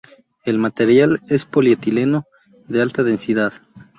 El material es polietileno de alta densidad.